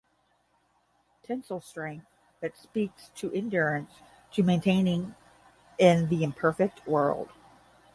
Tensile strength, that speaks to endurance, to maintaining in the imperfect world.